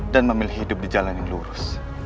dan memilih hidup di jalan yang lurus